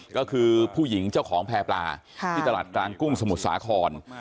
ก็คือผู้หญิงเจ้าของแพร่ปลาที่ตลาดกลางกุ้งสมุทรสาคร